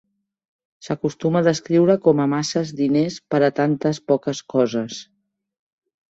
S'acostuma a descriure com a "masses diners per a tantes poques coses".